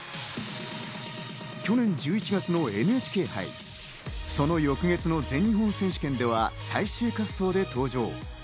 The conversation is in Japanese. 去年１１月のＮＨＫ杯、その翌月の全日本選手権では最終滑走で登場。